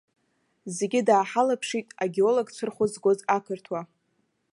Зегьы дааҳалаԥшит, агеологцәа рхәы згоз ақырҭуа.